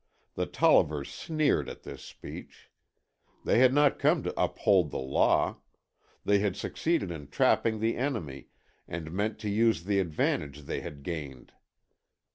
The Tollivers sneered at this speech. They had not come to uphold the law; they had succeeded in trapping the enemy, and meant to use the advantage they had gained.